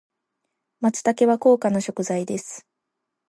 松茸は高価な食材です。